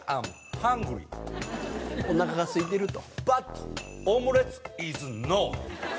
おなかがすいてる！と。